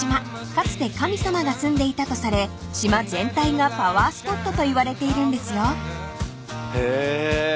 かつて神様が住んでいたとされ島全体がパワースポットと言われているんですよ］へ。